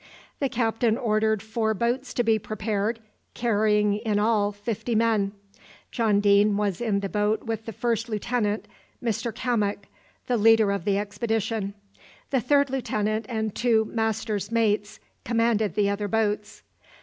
The captain ordered four boats to be prepared, carrying in all fifty men. John Deane was in the boat with the first lieutenant, Mr Cammock, the leader of the expedition. The third lieutenant and two master's mates commanded the other boats.